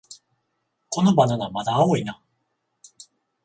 このバナナ、まだ青いな